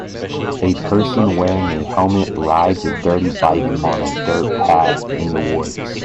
A person wearing a helmet rides a dirty bike on a dirt path in the woods.